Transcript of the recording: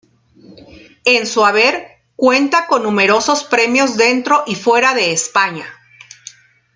En su haber cuenta con numerosos premios, dentro y fuera de España.